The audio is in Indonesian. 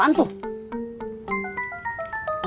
saya tak lupa lagi pak haji